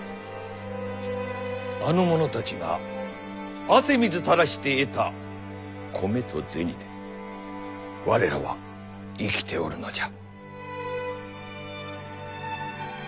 あの者たちが汗水垂らして得た米と銭で我らは生きておるのじゃ。